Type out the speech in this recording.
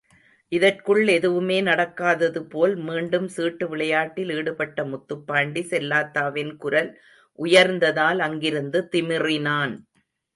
இதற்குள் எதுவுமே நடக்காததுபோல் மீண்டும் சீட்டு விளையாட்டில் ஈடுபட்ட முத்துப்பாண்டி செல்லாத்தாவின் குரல் உயர்ந்ததால் அங்கிருந்து திமிறினான்.